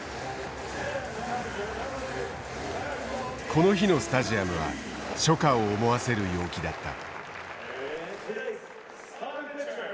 この日のスタジアムは初夏を思わせる陽気だった。